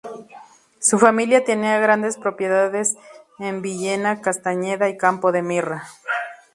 Su familia tenía grandes propiedades en Villena, Castalla y Campo de Mirra.